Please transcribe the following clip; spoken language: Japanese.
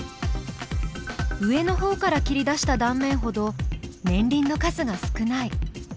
上のほうから切り出した断面ほど年輪の数が少ない。